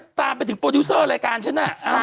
แต่ไม่ได้ตามไปถึงโปรดิวเซอร์รายการฉัน